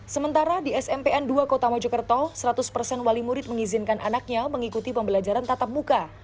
sementara di smpn dua kota mojokerto seratus persen wali murid mengizinkan anaknya mengikuti pembelajaran tatap muka